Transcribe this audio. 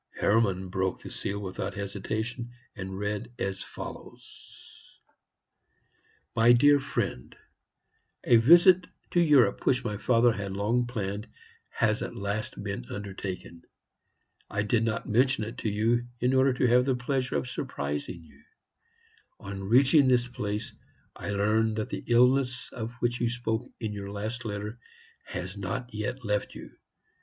Hermann broke the seal without hesitation, and read as follows: "MY DEAR FRIEND, A visit to Europe which my father had long planned has at last been undertaken. I did not mention it to you, in order to have the pleasure of surprising you. On reaching this place, I learn that the illness of which you spoke in your last letter has not yet left you.